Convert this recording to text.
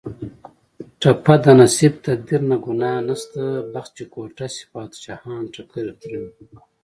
ټپه ده: نصیب تقدیر نه ګناه نشته بخت چې کوټه شي بادشاهان ټکرې خورینه